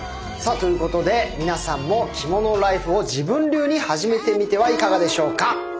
さあということで皆さんも着物ライフを自分流に始めてみてはいかがでしょうか。